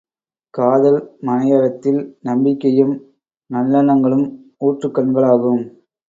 காதல் மனையறத்தில், நம்பிக்கையும் நல்லெண்ணங்களும் ஊற்றுக் கண்களாகும்.